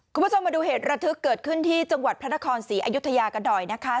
คุณผู้ชมมาดูเหตุระทึกเกิดขึ้นที่จังหวัดพระนครศรีอยุธยากันหน่อยนะคะ